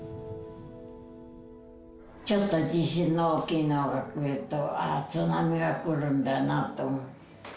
ちょっと地震の大きいのが来ると、ああ、津波が来るんだなと思う。